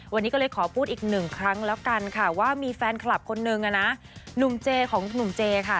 วันนี้ก็เลยขอพูดอีกหนึ่งครั้งแล้วกันค่ะว่ามีแฟนคลับคนนึงนะหนุ่มเจของหนุ่มเจค่ะ